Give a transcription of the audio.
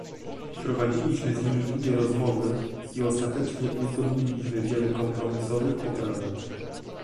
Prowadziliśmy z nimi długie rozmowy i ostatecznie uzgodniliśmy wiele kompromisowych poprawek